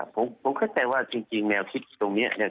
ผมเข้าใจว่าจริงแนวคิดตรงนี้เนี่ย